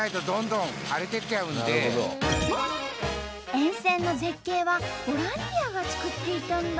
沿線の絶景はボランティアがつくっていたんだ！